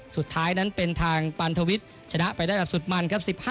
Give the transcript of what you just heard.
สุดท้ายนั้นเป็นทางปันทวิทย์ชนะไปได้แบบสุดมันครับ